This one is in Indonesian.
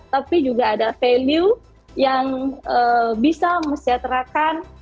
tapi juga ada value yang bisa mesejahterakan